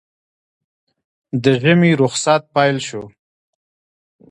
د ژمي روخصت پېل شو